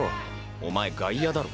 お前外野だろ。